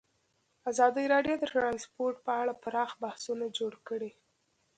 ازادي راډیو د ترانسپورټ په اړه پراخ بحثونه جوړ کړي.